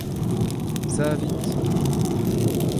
Savit.